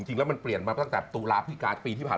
จริงแล้วมันเปลี่ยนมาตั้งแต่ตุลาภิกา